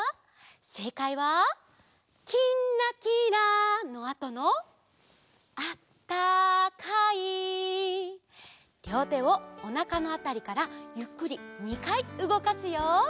せいかいは「きんらきら」のあとの「あったかい」りょうてをおなかのあたりからゆっくり２かいうごかすよ。